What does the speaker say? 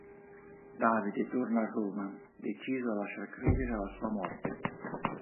Davide torna a Roma, deciso a lasciar credere alla sua morte.